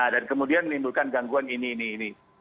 dan kemudian menimbulkan gangguan ini ini ini